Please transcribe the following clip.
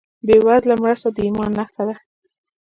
بېوزله مرسته د ایمان نښه ده.